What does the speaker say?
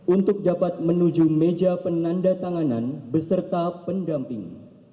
untuk dapat menuju meja penanda tanganan beserta pendamping